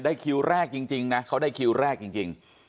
คิวแรกจริงนะเขาได้คิวแรกจริง